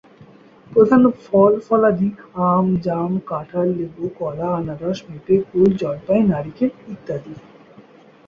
প্রধান ফল-ফলাদি আম, জাম, কাঁঠাল, লেবু, কলা, আনারস, পেঁপে, কুল, জলপাই, নারিকেল ইত্যাদি।